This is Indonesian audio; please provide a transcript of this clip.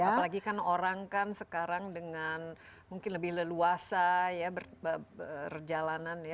apalagi kan orang kan sekarang dengan mungkin lebih leluasa ya berjalanan ya